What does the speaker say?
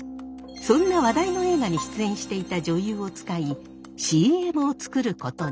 そんな話題の映画に出演していた女優を使いＣＭを作ることに。